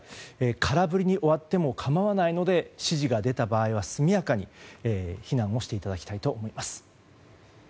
空振りに終わっても構わないので指示が出た場合は速やかに避難をしていただきたいと思います。